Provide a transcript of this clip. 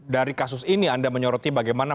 dari kasus ini anda menyoroti bagaimana